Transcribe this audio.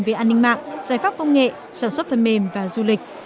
về an ninh mạng giải pháp công nghệ sản xuất phần mềm và du lịch